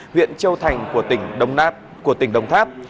huyện châu thành của tỉnh đông tháp